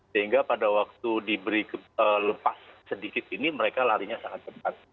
sehingga pada waktu diberi lepas sedikit ini mereka larinya sangat cepat